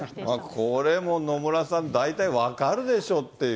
これも野村さん、大体分かるでしょっていう。